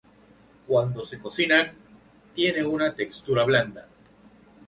Cuando se cocinan, tiene una textura blanda.